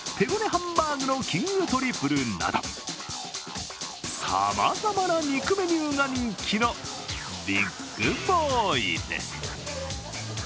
ハンバーグのキングトリプルなど、さまざまな肉メニューが人気のビッグボーイです。